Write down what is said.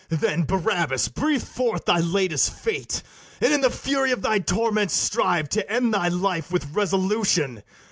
Then, Barabas, breathe forth thy latest fate, And in the fury of thy torments strive To end thy life with resolution.